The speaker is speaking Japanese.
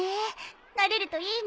なれるといいね。